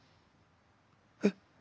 えっ！？